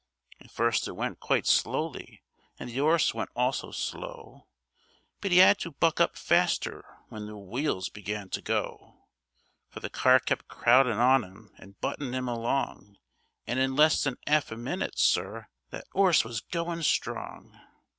And first it went quite slowly and the 'orse went also slow, But 'e 'ad to buck up faster when the wheels began to go; For the car kept crowdin' on 'im and buttin' 'im along, And in less than 'alf a minute, sir, that 'orse was goin' strong.